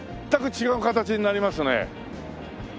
全く違う形になりますね。